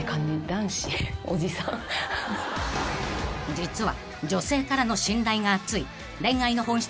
［実は］